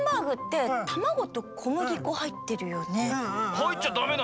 はいっちゃダメなの？